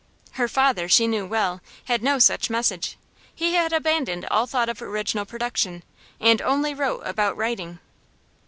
Her father, she knew well, had no such message; he had abandoned all thought of original production, and only wrote about writing.